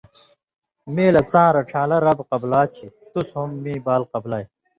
میں لہ څاں رڇھان٘لہ (رب) قبلا چھی؛ تُس ہُم میں بال قبلائ۔